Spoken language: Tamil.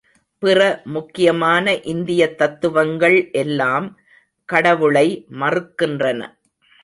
பிற முக்கியமான இந்தியத் தத்துவங்கள் எல்லாம் கடவுளை மறுக்கின்றன.